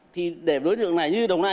thì để đối tượng này như đồng nai